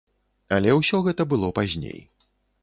Але ўсё гэта было пазней.